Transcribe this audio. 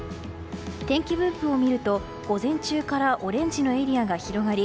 天気分布を見ると午前中からオレンジのエリアが広がり